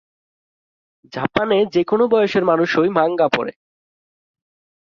জাপানে যেকোন বয়সের মানুষই মাঙ্গা পড়ে।